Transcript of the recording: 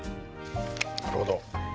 なるほど。